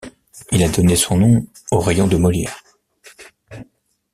Il a donné son nom au rayon de Molière.